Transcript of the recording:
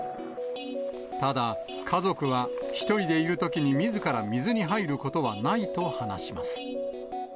ただ、家族は１人でいるときにみずから水に入ることはないと話します。